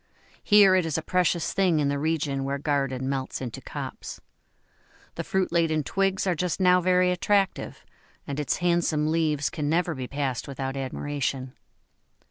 Here it is a precious thing in the region where garden melts into copse. The fruit laden twigs are just now very attractive, and its handsome leaves can never be passed without admiration.